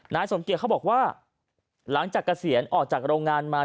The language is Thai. นายสมเกียจเขาบอกว่าหลังจากเกษียณออกจากโรงงานมา